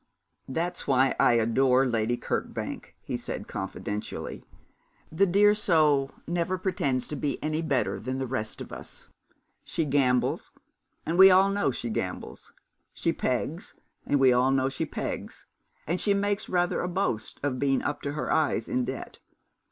'That's why I adore Lady Kirkbank,' he said, confidentially. 'The dear soul never pretends to be any better than the rest of us. She gambles, and we all know she gambles; she pegs, and we all know she pegs; and she makes rather a boast of being up to her eyes in debt.